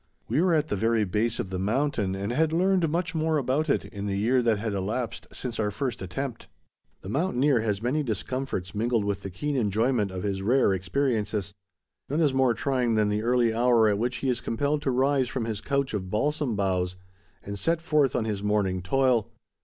We were at the very base of the mountain, and had learned much more about it, in the year that had elapsed since our first attempt. The mountaineer has many discomforts mingled with the keen enjoyment of his rare experiences. None is more trying than the early hour at which he is compelled to rise from his couch of balsam boughs and set forth on his morning toil.